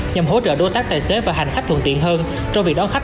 nhằm hỗ trợ đối tác tài xế và hành khách thuận tiện hơn trong việc đón khách